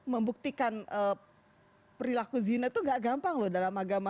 membuktikan perilaku zina itu gak gampang loh dalam agama